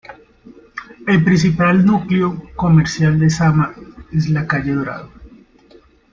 El principal núcleo comercial de Sama es la calle Dorado.